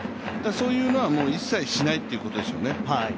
そういうのは一切しないということでしょうね。